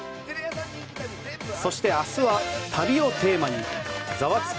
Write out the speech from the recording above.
そして明日は旅をテーマに「ザワつく！